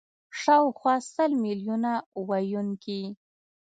شاوخوا سل میلیونه ویونکي